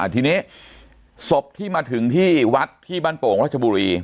ทีนี้ศพที่มาถึงที่วัดที่บ้านโป่งรัชบุรี